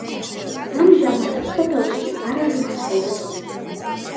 ამჟამად სოფელში არავინ ცხოვრობს.